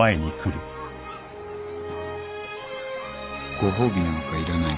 「ご褒美なんかいらない。